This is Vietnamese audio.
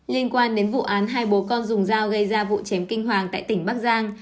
liên quan đến vụ án hai bố con dùng dao gây ra vụ chém kinh hoàng tại tỉnh bắc giang